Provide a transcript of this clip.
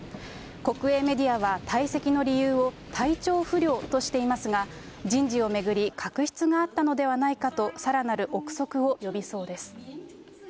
国営メディアは退席の理由を、体調不良としていますが、人事を巡り、確執があったのではないかと、さらなる臆測を呼びそうです。